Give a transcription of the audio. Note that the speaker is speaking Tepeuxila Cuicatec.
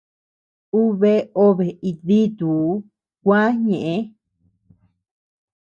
U bea obe it dituu kuä ñeʼë.